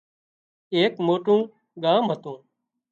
ايڪ موٽُون ڳام هتُون